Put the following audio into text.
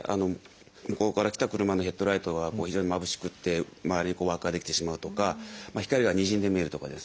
向こうから来た車のヘッドライトが非常にまぶしくて周りに輪っかが出来てしまうとか光がにじんで見えるとかですね